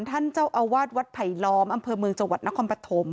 ท่านเจ้าอาวาสวัดไผลล้อมอำเภอเมืองจังหวัดนครปฐม